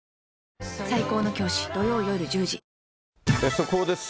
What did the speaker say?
速報です。